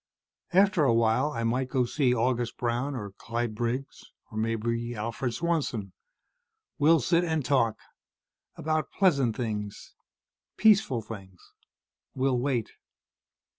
After a while I might go see August Brown or Clyde Briggs or maybe Alfred Swanson. We'll sit and talk, about pleasant things, peaceful things. We'll wait."